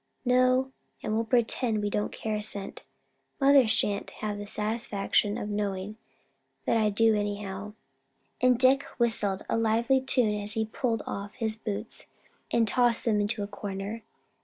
"No; and we'll pretend we don't care a cent. Mother sha'n't have the satisfaction of knowing that I do anyhow;" and Dick whistled a lively tune as he pulled off his boots and tossed them into a corner.